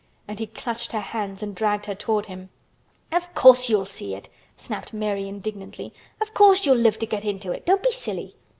and he clutched her hands and dragged her toward him. "Of course you'll see it!" snapped Mary indignantly. "Of course you'll live to get into it! Don't be silly!"